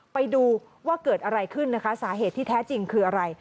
ไปดูว่าเกิดอะไรขึ้นนะคะสาเหตุที่แท้จริงคืออะไร